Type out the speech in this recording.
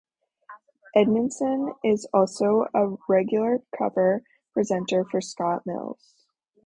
Edmondson is also a regular cover presenter for Scott Mills.